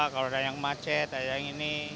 kalau ada yang macet ada yang ini